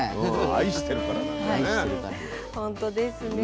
愛してるからなんだね。